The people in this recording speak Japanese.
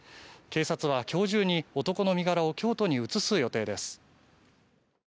警察は今日中に男の身柄を京都に移す予定です。